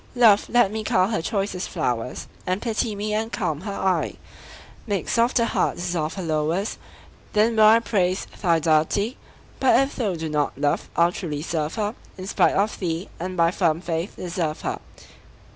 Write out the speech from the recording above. Love, let me cull her choicest flowers, And pity me, and calm her eye; Make soft her heart, dissolve her lowers, Then will I praise thy deity, But if thou do not, Love, I'll truly serve her In spite of thee, and by firm faith deserve her.